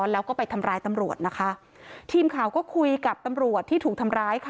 แล้วก็ไปทำร้ายตำรวจนะคะทีมข่าวก็คุยกับตำรวจที่ถูกทำร้ายค่ะ